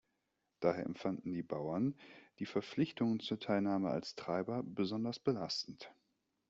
Daher empfanden die Bauern die Verpflichtungen zur Teilnahme als Treiber besonders belastend.